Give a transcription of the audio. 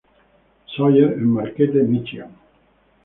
Sawyer en Marquette, Míchigan.